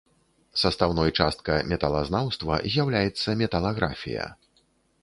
Састаўной частка металазнаўства з'яўляецца металаграфія.